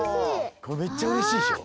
めっちゃうれしいでしょ。